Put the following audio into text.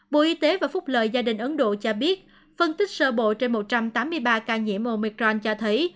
bộ y tế và phúc lợi gia đình ấn độ cho biết phân tích sơ bộ trên một trăm tám mươi ba ca nhiễm mormicron cho thấy